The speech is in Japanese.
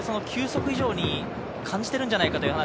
先ほど球速以上に感じてるんじゃないかという話。